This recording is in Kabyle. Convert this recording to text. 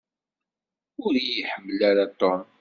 Ur iyi-ḥemmel ara Tom.